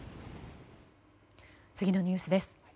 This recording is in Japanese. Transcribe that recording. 次のニュースです。